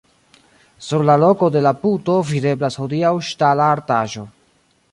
Sur la loko de la puto videblas hodiaŭ ŝtala artaĵo.